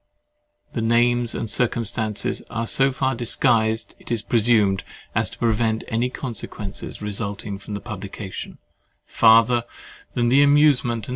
The names and circumstances are so far disguised, it is presumed, as to prevent any consequences resulting from the publication, farther than the amusement or sympathy of the reader.